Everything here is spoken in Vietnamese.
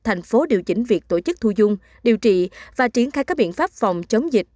thành phố điều chỉnh việc tổ chức thu dung điều trị và triển khai các biện pháp phòng chống dịch